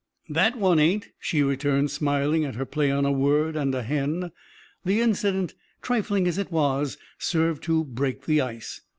"That one ain't," she returned, smiling at her play on a word and a hen. The incident, trifling as it was, served to break the "ice."